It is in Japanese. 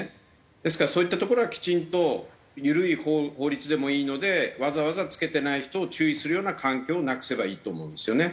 ですからそういったところはきちんと緩い法律でもいいのでわざわざ着けてない人を注意するような環境をなくせばいいと思うんですよね。